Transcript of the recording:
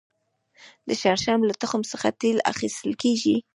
د شړشم له تخم څخه تېل ایستل کیږي